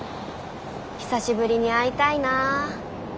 久しぶりに会いたいな。